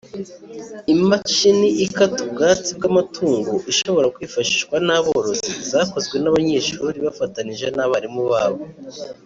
imashini ikata ubwatsi bw’amatungo ishobora kwifashishwa n’aborozi zakozwe n’abanyeshuri bafatanije n’abarimu babo